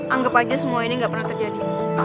anggap aja semua ini nggak pernah terjadi